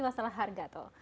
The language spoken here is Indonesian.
masalah harga tuh